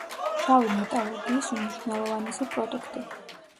შავი მეტალურგიის უმნიშვნელოვანესი პროდუქტი.